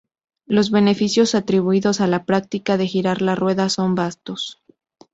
Los beneficios atribuidos a la práctica de girar la rueda son vastos.